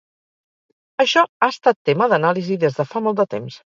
Això ha estat tema d’anàlisi des de fa molt de temps.